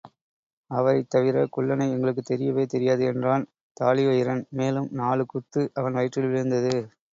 அவரைத் தவிரக் குள்ளனை எங்களுக்குத் தெரியவே தெரியாது என்றான் தாழிவயிறன், மேலும் நாலு குத்து அவன் வயிற்றில் விழுந்தது.